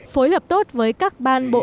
phối hợp tốt với các ban bộ